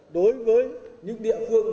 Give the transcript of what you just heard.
đối với những địa phương